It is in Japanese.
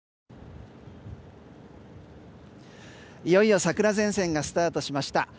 いよいよ桜前線がスタートしました。